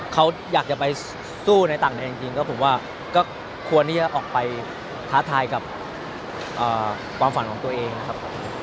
เขาอยากจะไปสู้ในต่างก็ก็ควรเลี้ยวออกไปท้าทายกับความฝันของตัวเองนะครับ